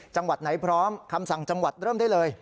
จังหวัดไหนพร้อมคำสั่งจังหวัดเริ่มได้เลย